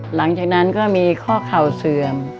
หลังจากนั้นก็มีข้อเข่าเสื่อม